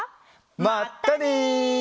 まったね！